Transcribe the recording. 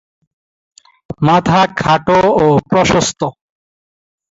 মাথা খাটো ও প্রশস্ত।